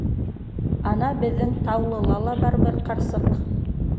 Ана беҙҙең Таулыла ла бар бер ҡарсыҡ.